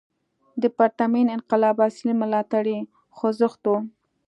د پرتمین انقلاب اصلي ملاتړی خوځښت و.